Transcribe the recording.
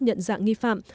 nhận dạng nghi phạm